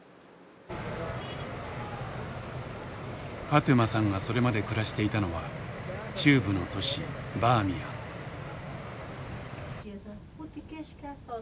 ファトゥマさんがそれまで暮らしていたのは中部の都市バーミヤン。